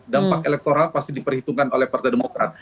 dampak elektoral pasti diperhitungkan oleh partai demokrat